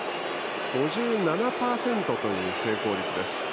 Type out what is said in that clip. ５７％という成功率です。